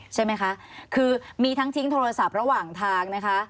ใช่ไหมคะคือมีทั้งทิ้งโทรศัพท์ระหว่างทางนะคะ